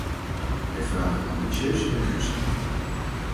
Wij vragen ambitieuzere doelstellingen.